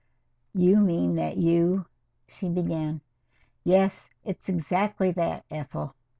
"You mean that you " she began. "Yes, it's exactly that, Ethel.